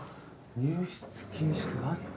入室禁止って何？